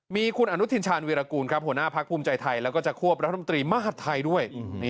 มีคุณอนุทินชาญวีรกูลครับหัวหน้าพักภูมิใจไทยแล้วก็จะควบรัฐมนตรีมหาดไทยด้วย